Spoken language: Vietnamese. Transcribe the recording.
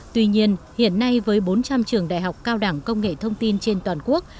tuy nhiên hiện nay với bốn trăm linh trường đại học cao đẳng công nghệ thông tin trên toàn quốc